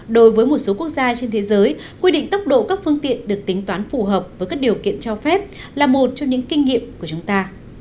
đối với một số quốc gia trên thế giới quy định tốc độ các phương tiện được tính toán phù hợp với các điều kiện cho phép là một trong những kinh nghiệm của chúng ta